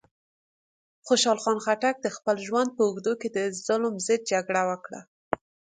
خوشحال خان خټک د خپل ژوند په اوږدو کې د ظلم ضد جګړه وکړه.